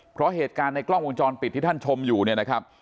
เพราะเหตุการณ์ในกล้องวงจรปิดที่ท่านชมอยู่เนี่ยนะครับ